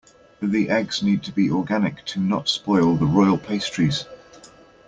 The eggs need to be organic to not spoil the royal pastries.